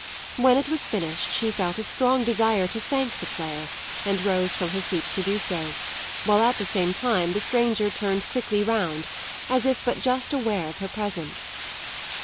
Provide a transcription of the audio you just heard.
When it was finished she felt a strong desire to thank the player, and rose from her seat to do so, while at the same time the stranger turned quickly round, as if but just aware of her presence.